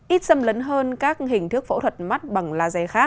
ít xâm lấn hơn các hình thức phẫu thuật mắt bằng laser khác